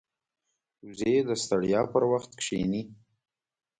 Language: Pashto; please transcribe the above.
وزې د ستړیا پر وخت کښیني